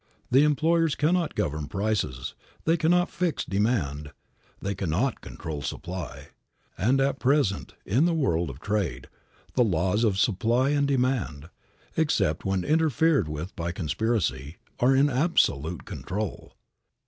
The employers cannot govern prices; they cannot fix demand; they cannot control supply; and at present, in the world of trade, the laws of supply and demand, except when interfered with by conspiracy, are in absolute control.